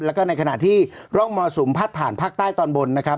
แล้วก็ในขณะที่ร่องมรสุมพัดผ่านภาคใต้ตอนบนนะครับ